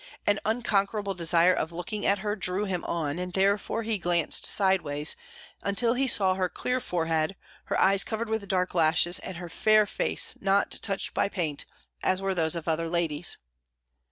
An unconquerable desire of looking at her drew him on; therefore he glanced sidewise, until he saw her clear forehead, her eyes covered with dark lashes, and her fair face, not touched by paint, as were those of other ladies.